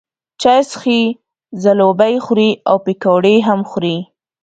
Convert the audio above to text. چای څښي، ځلوبۍ خوري او پیکوړې هم خوري.